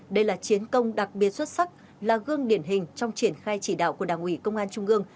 đây là chiến công đặc biệt xuất sắc là gương điển hình trong triển khai chỉ đạo của đảng ủy công an trung ương